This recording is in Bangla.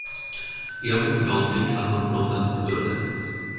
ইরাবতী ডলফিন সাধারণত নৌকা থেকে দূরে থাকে।